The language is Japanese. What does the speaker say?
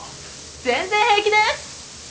全然平気です！